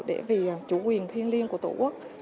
để vì chủ quyền thiên liêng của tổ quốc